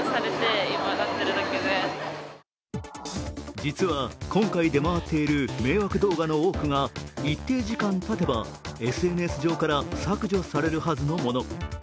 実は今回出回っている迷惑動画の多くが一定時間たてば、ＳＮＳ上から削除されるはずのもの。